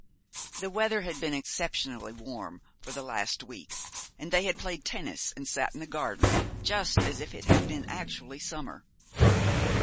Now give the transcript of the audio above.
The weather had been exceptionally warm for the last week, and they had played tennis and sat in the garden just as if it had been actually summer.